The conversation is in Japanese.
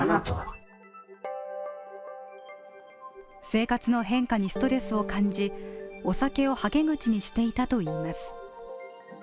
生活の変化にストレスを感じ、お酒をはけ口にしていたといいます。